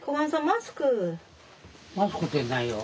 マスクてないよ。